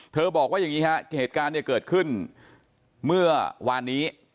บอกว่าอย่างนี้ฮะเหตุการณ์เนี่ยเกิดขึ้นเมื่อวานนี้